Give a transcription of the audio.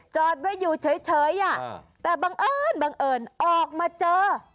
จอดไว้อยู่เฉยแต่บังเอิญบังเอิญออกมาเจอ